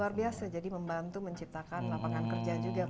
luar biasa jadi membantu menciptakan lapangan kerja juga